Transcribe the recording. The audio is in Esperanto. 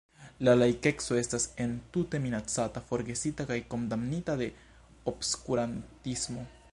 La laikeco estas entute minacata, forgesita kaj kondamnita de obskurantismo.